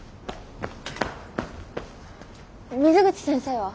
水口先生は？